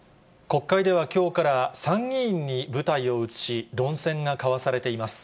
国会ではきょうから、参議院に舞台を移し、論戦が交わされています。